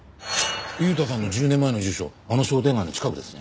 悠太さんの１０年前の住所あの商店街の近くですね。